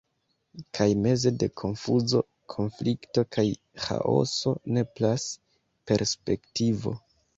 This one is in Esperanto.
Kaj, meze de konfuzo, konflikto kaj ĥaoso, nepras perspektivo.